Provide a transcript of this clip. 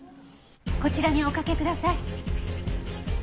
こちらにおかけください。